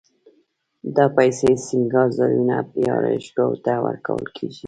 دا پیسې سینګارځایونو یا آرایشګاوو ته ورکول کېږي